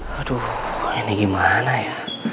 aduh ini gimana ya